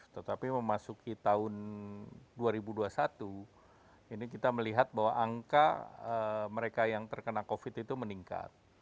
tetapi memasuki tahun dua ribu dua puluh satu ini kita melihat bahwa angka mereka yang terkena covid itu meningkat